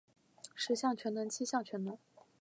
十项全能七项全能